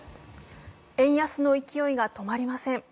円安の勢いが止まりません。